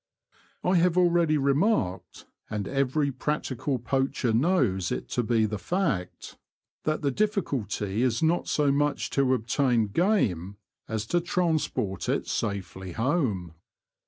I have already^remarked, and every practical poacher knows it to belthe fact, that the difficulty is The Confessions of a Poacher. 141 not so much to obtain game as to transport it safely home.